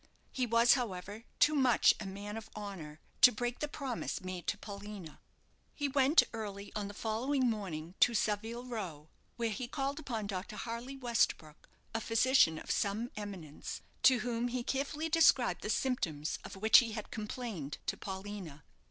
He was, however, too much a man of honour to break the promise made to Paulina. He went early on the following morning to Savile Row, where he called upon Dr. Harley Westbrook, a physician of some eminence, to whom he carefully described the symptoms of which he had complained to Paulina.